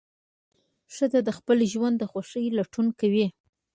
ښځه د خپل ژوند د خوښۍ لټون کوي.